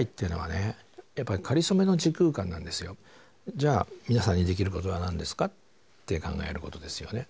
じゃあ皆さんにできることは何ですか？って考えることですよね。